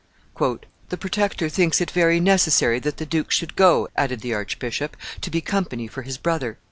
"The Protector thinks it very necessary that the duke should go," added the archbishop, "to be company for his brother.